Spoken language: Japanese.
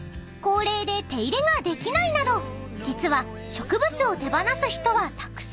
［高齢で手入れができないなど実は植物を手放す人はたくさん］